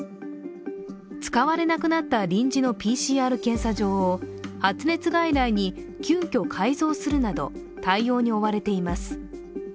使われなくなった臨時のＰＣＲ検査場を発熱外来に急きょ改造するなど対応に追われています。